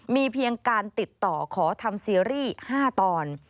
มีเพียงการติดต่อขอทำซีรีส์๕ตอน